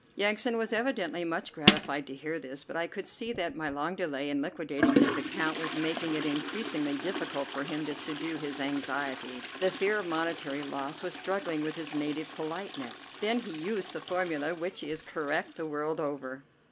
Yansan was evidently much gratified to hear this, but I could see that my long delay in liquidating his account was making it increasingly difficult for him to subdue his anxiety. The fear of monetary loss was struggling with his native politeness. Then he used the formula which is correct the world over.